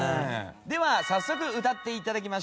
では早速歌って頂きましょう。